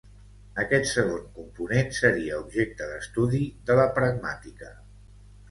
Aquest segon component seria objecte d'estudi de la pragmàtica.